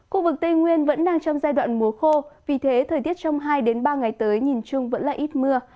khu vực tây nguyên vẫn đang trong giai đoạn mùa khô vì thế thời tiết trong hai ba ngày tới nhìn chung vẫn là ít mưa